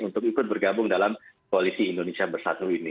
untuk ikut bergabung dalam koalisi indonesia bersatu ini